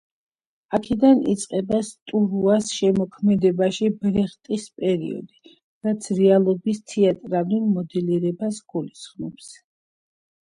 აქედან იწყება სტურუას შემოქმედებაში ბრეხტის პერიოდი, რაც რეალობის თეატრალურ მოდელირებას გულისხმობს.